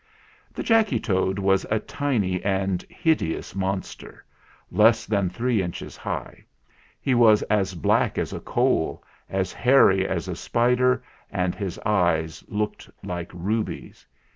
The Jacky Toad was a tiny and hideous monster, less than three inches high. He was THE GALLOPER 207 as black as a coal, as hairy as a spider, and his eyes looked like rubies.